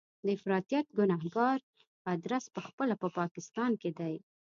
د افراطیت ګنهګار ادرس په خپله په پاکستان کې دی.